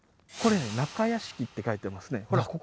これ「中屋敷」って書いてますね